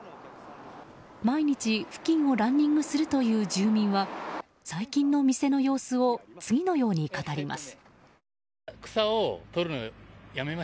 毎日、付近をランニングするという住民は最近の店の様子を次のように語ります。